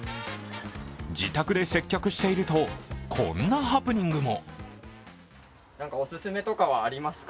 自宅で接客しているとこんなハプニングも。